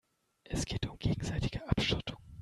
Es geht um gegenseitige Abschottung.